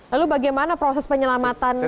lalu bagaimana proses penyelamatan